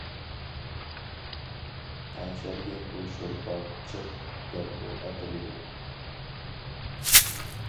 تەڭشەلگەن بۇ شورپا «چىق» دەپمۇ ئاتىلىدۇ.